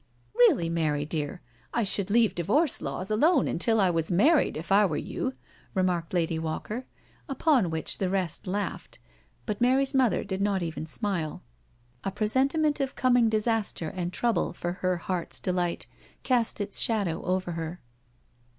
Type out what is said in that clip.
" Really, Mary dear, I should leave divorce laws alone until I was married, if I were you," remarked Lady Walker. Upon which the rest laughed, but Mary's mother did not even smile. A presentiment of 46 NO SURRENDER coming disaster and trouble for her '* heart's delight *' cast its shadow over her.